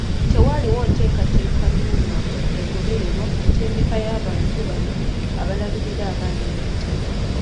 Tewaliiwo nteekateeka nnungamu egobererwa ku ntendeka y’abantu bano abalabirira abaana abato.